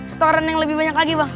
store an yang lebih banyak lagi bang